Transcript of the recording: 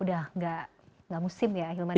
udah gak musim ya hilmadi